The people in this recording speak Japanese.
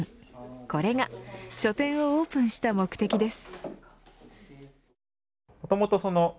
これが書店をオープンした目的です。